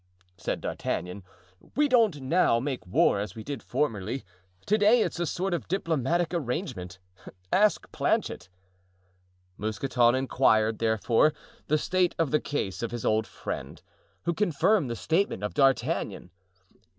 said D'Artagnan, "we don't now make war as we did formerly. To day it's a sort of diplomatic arrangement; ask Planchet." Mousqueton inquired, therefore, the state of the case of his old friend, who confirmed the statement of D'Artagnan.